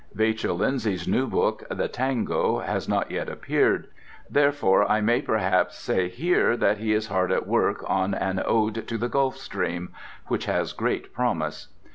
Vachel Lindsay's new book, "The Tango," has not yet appeared, therefore I may perhaps say here that he is hard at work on an "Ode to the Gulf Stream," which has great promise.